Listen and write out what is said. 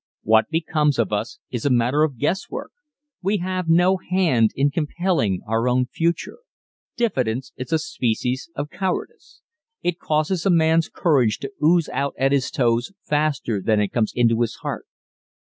What becomes of us is a matter of guesswork. We have no hand in compelling our own future. Diffidence is a species of cowardice. It causes a man's courage to ooze out at his toes faster than it comes into his heart.